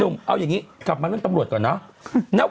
เอาอย่างนี้กลับมาเรื่องตำรวจก่อนเนอะ